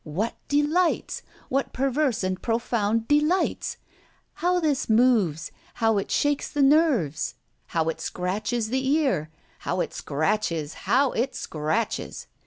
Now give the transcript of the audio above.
What delights! What perverse and profound delights! How this moves, how it shakes the nerves! how it scratches the ear how it scratches! how it scratches!"